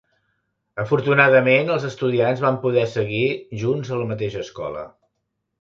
Afortunadament, els estudiants van poder seguir junts a la mateixa escola.